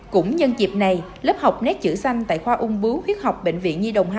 cũng nhân dịp này lớp học nét chữ xanh tại khoa ung bướu huyết học bệnh viện nhi đồng hai